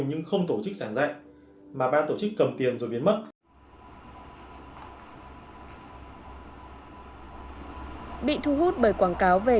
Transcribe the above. nhưng không tổ chức sản dạy mà bác tổ chức cầm tiền rồi biến mất bị thu hút bởi quảng cáo về